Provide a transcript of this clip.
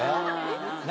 何？